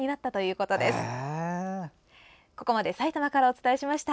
ここまでさいたまからお伝えしました。